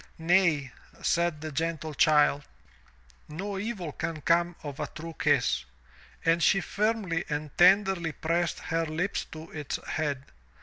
"Nay, said the gentle child, "no evil can come of a true kiss. And she firmly and tenderly pressed her lips to its head.